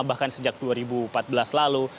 bahkan sejak dua ribu empat belas lalu